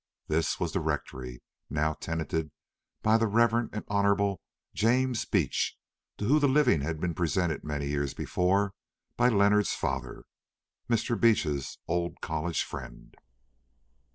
This was the Rectory, now tenanted by the Reverend and Honourable James Beach, to whom the living had been presented many years before by Leonard's father, Mr. Beach's old college friend.